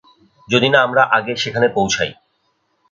যদি না আমরা আগে সেখানে পৌঁছাই।